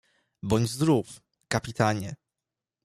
"Bądź zdrów, kapitanie!"